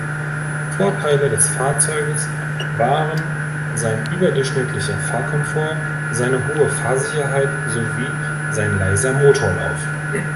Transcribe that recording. Vorteile des Fahrzeugs waren sein überdurchschnittlicher Fahrkomfort, seine hohe Fahrsicherheit sowie sein leiser Motorlauf.